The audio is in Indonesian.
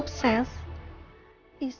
kalau suaminya sukses